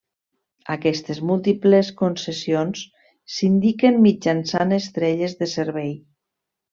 Aquestes múltiples concessions s'indiquen mitjançant estrelles de servei.